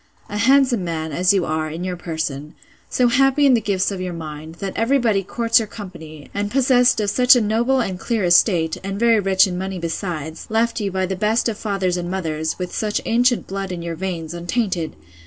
A handsome man, as you are, in your person; so happy in the gifts of your mind, that every body courts your company; and possessed of such a noble and clear estate; and very rich in money besides, left you by the best of fathers and mothers, with such ancient blood in your veins, untainted!